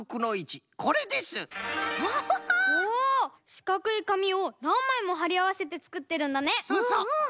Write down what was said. しかくいかみをなんまいもはりあわせてつくってるんだね。